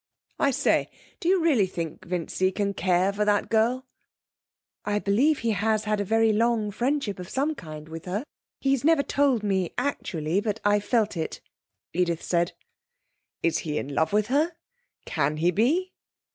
I say, do you really think Vincy can care for that girl?' 'I believe he has had a very long friendship of some kind with her. He's never told me actually, but I've felt it,' Edith said. 'Is he in love with her? Can he be?'